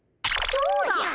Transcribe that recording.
そうだ！